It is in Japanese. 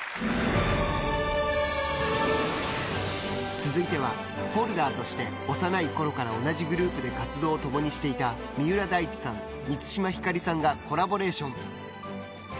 続いてはＦｏｌｄｅｒとして幼いころから同じグループで活動をともにしていた三浦大知さん、満島ひかりさんがコラボレーション。